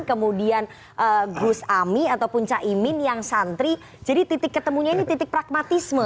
kemudian gus ami atau punca imin yang santri jadi titik ketemunya ini titik pragmatisme